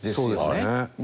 そうですね。